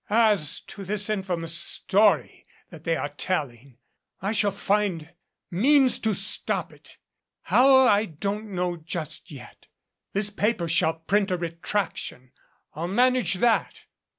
"As to this infamous story that they are telling, I shall find means to stop it. How, I don't know just yet. This paper shall print a retraction. I'll manage that.